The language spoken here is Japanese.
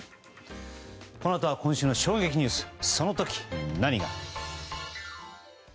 このあとは今週の衝撃ニュースその時、何が。